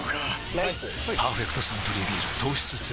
ライス「パーフェクトサントリービール糖質ゼロ」